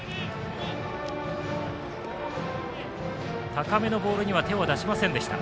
高めのボールには手を出しませんでした。